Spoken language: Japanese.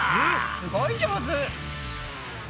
すごい上手！